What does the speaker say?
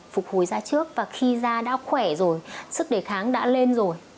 phục hồi ra trước và khi da đã khỏe rồi sức đề kháng đã lên rồi